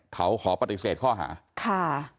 เขาขอปฏิเสธข้อหาค่ะ